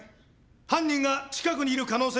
犯人が近くにいる可能性も高い。